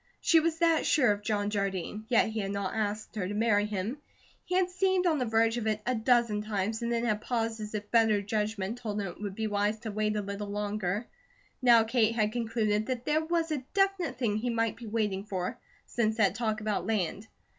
She was that sure of John Jardine; yet he had not asked her to marry him. He had seemed on the verge of it a dozen times, and then had paused as if better judgment told him it would be wise to wait a little longer. Now Kate had concluded that there was a definite thing he might be waiting for, since that talk about land.